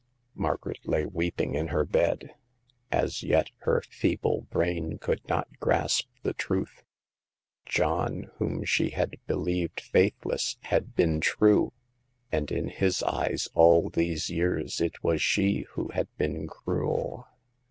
Margaret lay weeping in her bed. As yet her feeble brain could not grasp the truth. John, whom she had believed faithless, had been true ; and in his eyes all these years it was she who had been cruel.